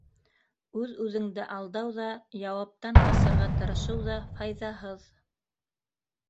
Үҙ-үҙеңде алдау ҙа, яуаптан ҡасырға тырышыу ҙа файҙаһыҙ.